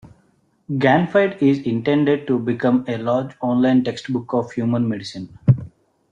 Ganfyd is intended to become a large online textbook of human medicine.